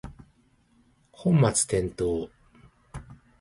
本末転倒